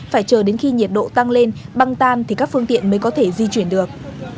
phải chờ đến khi nhiệt độ tăng lên băng tan thì các phương tiện mới có thể di chuyển được